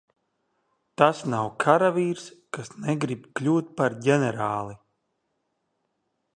Tas nav karavīrs, kas negrib kļūt par ģenerāli.